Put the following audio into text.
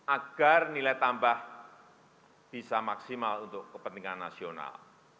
agar nilai tambah bisa maksimal untuk kepentingan nasional